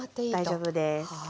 大丈夫です。